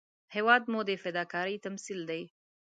هېواد مو د فداکارۍ تمثیل دی